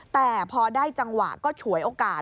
แต่พอได้จังหวะก็ฉวยโอกาส